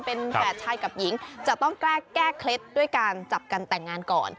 เป็นแฝดชายกับหญิงจะต้องแก้เคล็ดด้วยการจับกันแต่งงานก่อน